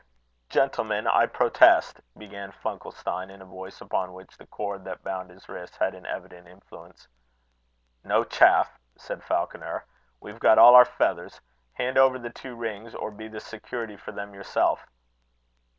"Gentlemen, I protest," began Funkelstein, in a voice upon which the cord that bound his wrists had an evident influence. "No chaff!" said Falconer. "We've got all our feathers. Hand over the two rings, or be the security for them yourself."